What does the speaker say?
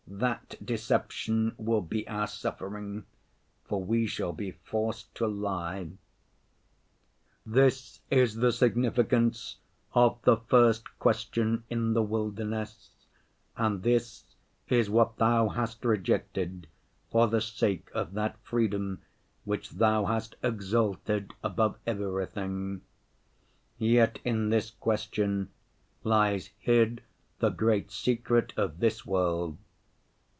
That deception will be our suffering, for we shall be forced to lie. " 'This is the significance of the first question in the wilderness, and this is what Thou hast rejected for the sake of that freedom which Thou hast exalted above everything. Yet in this question lies hid the great secret of this world.